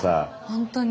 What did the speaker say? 本当に。